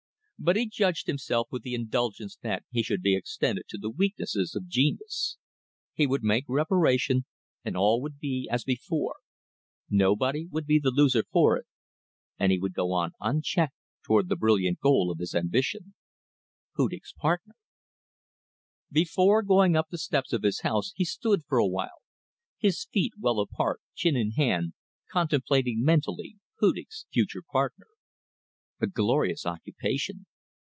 But he judged himself with the indulgence that should be extended to the weaknesses of genius. He would make reparation and all would be as before; nobody would be the loser for it, and he would go on unchecked toward the brilliant goal of his ambition. Hudig's partner! Before going up the steps of his house he stood for awhile, his feet well apart, chin in hand, contemplating mentally Hudig's future partner. A glorious occupation.